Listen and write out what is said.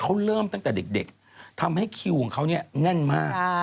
เขาเริ่มตั้งแต่เด็กทำให้คิวของเขาเนี่ยแน่นมาก